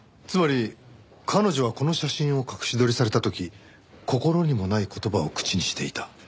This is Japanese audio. つまり彼女はこの写真を隠し撮りされた時心にもない言葉を口にしていた？